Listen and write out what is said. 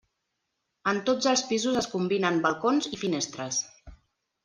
En tots els pisos es combinen balcons i finestres.